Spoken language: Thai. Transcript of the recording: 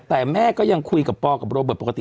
แต่แม่ก็ยังคุยกับปอกับโรเบิร์ตปกติ